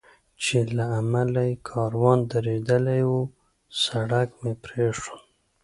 چې له امله یې کاروان درېدلی و، سړک مې پرېښود.